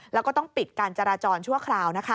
แล้วก็ต้องปิดการจราจรชั่วคราวนะคะ